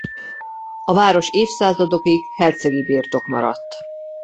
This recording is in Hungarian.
A város évszázadokig hercegi birtok maradt.